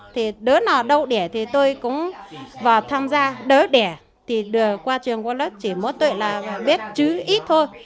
thì đứa nào đâu đẻ thì tôi cũng vào tham gia đứa đẻ thì đưa qua trường quân lớp chỉ muốn tuổi là biết chữ ít thôi